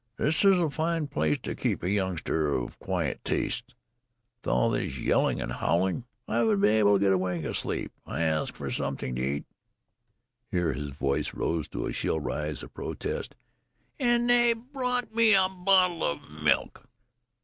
"This is a fine place to keep a youngster of quiet tastes. With all this yelling and howling, I haven't been able to get a wink of sleep. I asked for something to eat" here his voice rose to a shrill note of protest "and they brought me a bottle of milk!"